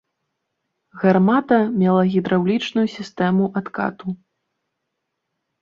Гармата мела гідраўлічную сістэму адкату.